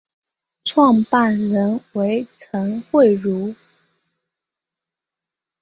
创办人为陈惠如。